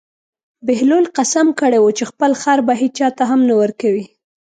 بهلول قسم کړی و چې خپل خر به هېچا ته هم نه ورکوي.